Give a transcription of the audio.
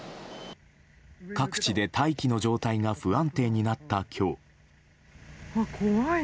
各地で大気の状態が不安定になった今日。